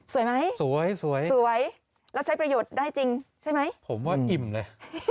ไหมสวยสวยแล้วใช้ประโยชน์ได้จริงใช่ไหมผมว่าอิ่มเลย